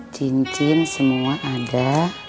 cincin semua ada